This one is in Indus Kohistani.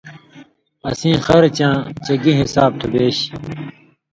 اسیں خرچاں چے گی حساب تُھو بیش